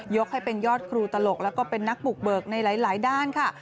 ให้เป็นยอดครูตลกแล้วก็เป็นนักบุกเบิกในหลายด้านค่ะ